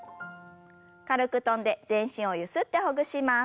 軽く跳んで全身をゆすってほぐします。